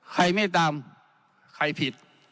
ใครไม่ตามใครผิด